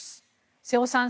瀬尾さん